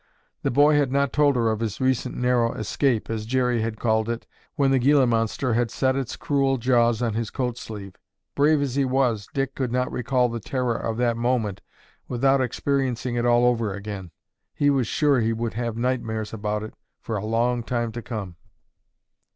The boy had not told her of his recent narrow escape, as Jerry had called it when the Gila Monster had set its cruel jaws on his coat sleeve. Brave as he was, Dick could not recall the terror of that moment without experiencing it all over again. He was sure he would have nightmares about it for a long time to come.